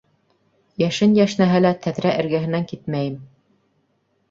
Йәшен йәшнәһә лә, тәҙрә эргәһенән китмәйем.